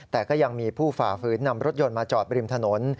แต่ก็ยังมีผู้ฝ่าฝืนนำรถยนต์มาจอดริมถนน